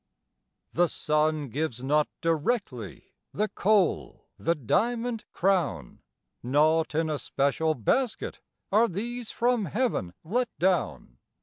The sun gives not directly The coal, the diamond crown; Not in a special basket Are these from Heaven let down.